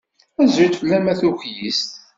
Azul fell-am a tukyist!